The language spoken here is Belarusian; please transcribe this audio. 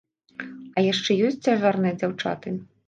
А яшчэ ёсць цяжарныя дзяўчаты.